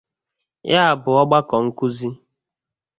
Ya bụ ọgbakọ nkuzi